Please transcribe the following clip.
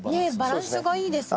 バランスがいいですね。